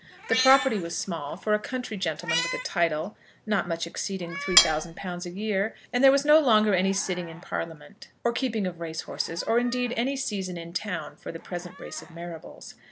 The property was small, for a country gentleman with a title, not much exceeding £3000 a year; and there was no longer any sitting in Parliament, or keeping of race horses, or indeed any season in town for the present race of Marrables.